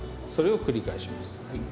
それを繰り返します。